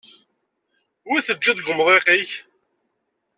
Wi teǧǧiḍ deg wemḍiq-ik?